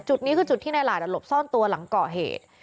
จุดนี้คือจุดที่นายหลาดหลบซ่อนตัวหลังก่อเหตุ